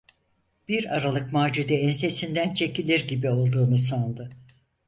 Bir aralık Macide ensesinden çekilir gibi olduğunu sandı.